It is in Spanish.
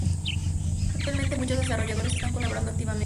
Actualmente, muchos desarrolladores están colaborando activamente.